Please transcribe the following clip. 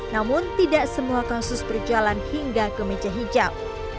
namun tidak semua kasus berjalan hingga ke meja hijau